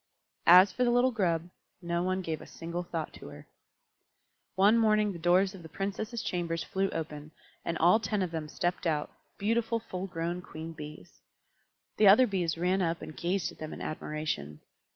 As for the little Grub, no one gave a single thought to her. One morning the doors of the Princesses' chambers flew open, and all ten of them stepped out, beautiful full grown Queen Bees. The other Bees ran up and gazed at them in admiration.